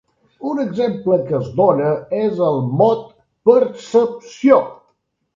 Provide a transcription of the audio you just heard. Un exemple que es dóna és el mot "percepció".